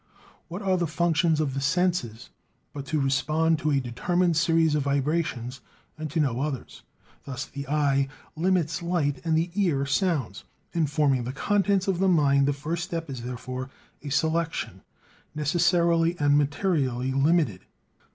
What are the functions of the senses, but to respond to a determined series of vibrations and to no others? Thus the eye limits light and the ear sounds. In forming the contents of the mind the first step is, therefore, a selection, necessarily and materially limited.